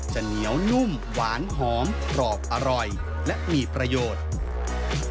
จะเหนียวนุ่มหวานหอมกรอบอร่อยและมีประโยชน์